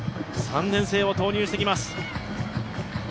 ３年生を投入してきます。